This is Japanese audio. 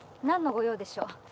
何の御用でしょう？